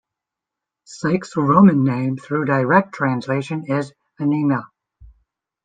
Psyche's Roman name through direct translation is Anima.